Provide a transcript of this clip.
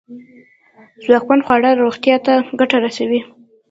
ځواکمن خواړه روغتیا ته گټه رسوي.